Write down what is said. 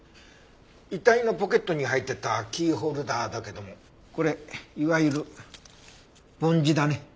遺体のポケットに入ってたキーホルダーだけどもこれいわゆる梵字だね。